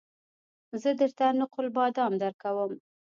زه درته نقل بادام درکوم